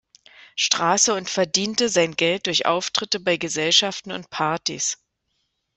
Straße und verdiente sein Geld durch Auftritte bei Gesellschaften und Partys.